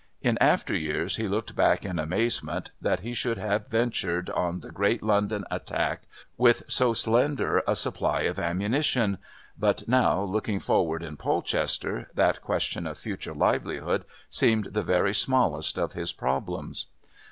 In after years he looked back in amazement that he should have ventured on the great London attack with so slender a supply of ammunition but now, looking forward in Polchester, that question of future livelihood seemed the very smallest of his problems.